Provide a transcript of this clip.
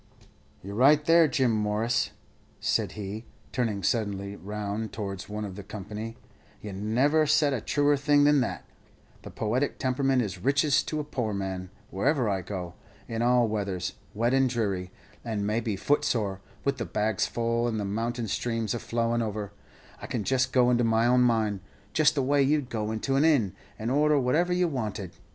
"You're right, there, Jim Morris," said he, turning suddenly round towards one of the company; "you never said a truer thing than that. The poetic temperament is riches to a poor man. Wherever I go in all weathers, wet and dreary, and maybe footsore, with the bags full, and the mountain streams all flowin' over I can just go into my own mind, just the way you'd go into an inn, and order whatever you wanted.